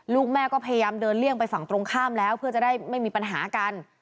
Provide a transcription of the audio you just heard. ลูกแม่ก็พยายามเดินเลี่ยงไปฝั่งตรงข้ามแล้วเพื่อจะได้ไม่มีปัญหากัน